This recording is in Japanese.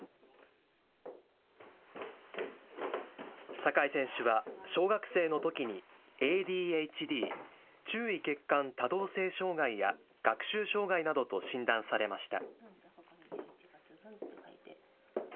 酒井選手は小学生のときにＡＤＨＤ・注意欠陥・多動性障害や学習障害などと診断されました。